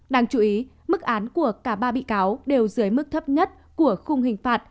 đáng chú ý mức án của cả ba bị cáo đều dưới mức thấp nhất của khung hình phạt